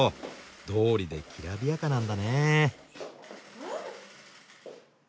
どうりできらびやかなんだね。